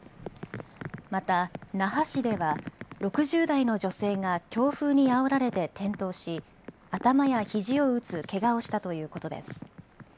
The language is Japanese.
また那覇市では６０代の女性が強風にあおられて転倒し頭やひじを打つけがをしたということです。